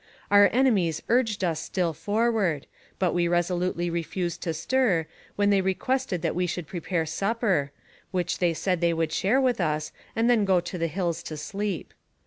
Our enemies urged us still forward, but we resolutely re fused to stir, when they requested that we should pre pare supper, which they said they would share with us, and then go to the hills to sleep.